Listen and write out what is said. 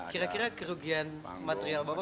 kira kira kerugian material bapak